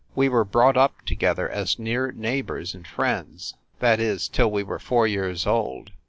We were brought up together as near neighbors and friends, that is, till we were four years old.